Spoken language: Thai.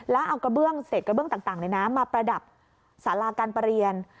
แล้วเอากระเบื้องเศษกระเบื้องต่างมาประดับสาราการประเรียน